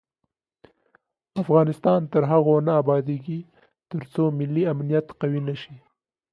افغانستان تر هغو نه ابادیږي، ترڅو ملي امنیت قوي نشي.